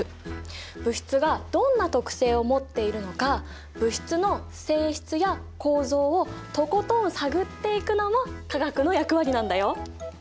物質がどんな特性を持っているのか物質の性質や構造をとことん探っていくのも化学の役割なんだよ。